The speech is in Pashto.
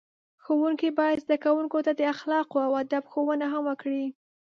ښوونکي باید زده کوونکو ته د اخلاقو او ادب ښوونه هم وکړي.